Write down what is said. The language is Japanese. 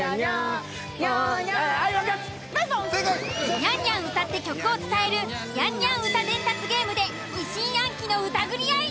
ニャンニャン歌って曲を伝えるニャンニャン歌伝達ゲームで疑心暗鬼の疑り合いに。